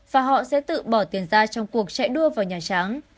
và họ sẽ tự bỏ tiền ra trong cuộc chạy đua vào nhà trắng